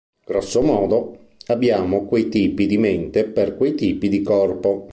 Grosso modo, abbiamo quei tipi di mente per quei tipi di corpo.